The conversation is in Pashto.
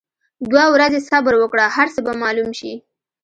دوه ورځي صبر وکړه هرڅۀ به معلوم شي.